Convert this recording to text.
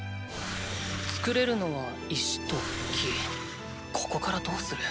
作れるのは石と木ここからどうする。